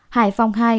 hải phong hai